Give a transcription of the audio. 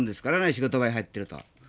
仕事場へ入ってると。